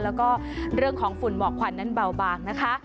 แล้วก็เรื่องของฝุ่นหมอกควันนั้นเบาบางนะคะ